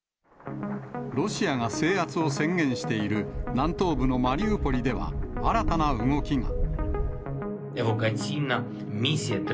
ロシアが制圧を宣言している南東部のマリウポリでは、新たな動きが。